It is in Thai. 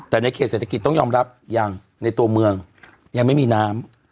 แต่ในเขตเศรษฐกิจต้องยอมรับยังในตัวเมืองยังไม่มีน้ำ